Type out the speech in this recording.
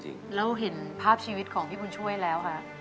เห็นแล้วเห็นภาพชีวิตของพี่บุญช่วยแล้วค่ะ